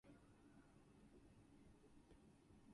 This is seen as a very lucky color combination.